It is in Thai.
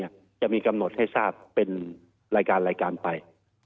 รายการจะมีกำหนดให้ทราบเป็นรายการไป